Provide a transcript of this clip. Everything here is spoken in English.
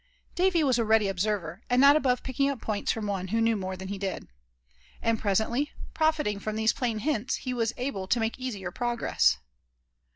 Davy was a ready observer, and not above picking up points from one who knew more than he did. And presently, profiting from these plain hints, he was able to make easier progress.